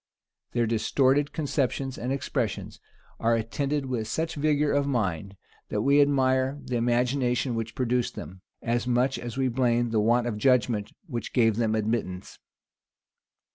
Their distorted conceptions and expressions are attended with such vigor of mind, that we admire the imagination which produced them, as much as we blame the want of judgment which gave them admittance.